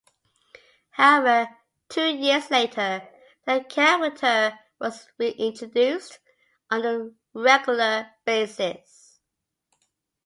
However two years later, the character was reintroduced on a regular basis.